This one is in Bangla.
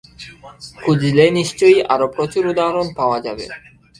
খুঁজলে নিশ্চয়ই আরো প্রচুর উদাহরণ পাওয়া যাবে।